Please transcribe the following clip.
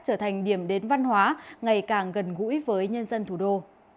trở thành điểm đến văn hóa ngày càng gần gũi với nhân dân thủ đô